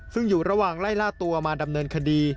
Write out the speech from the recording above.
ซึ่งอยู่ระหว่างไล่ล่าตัวมาดำเนินคดี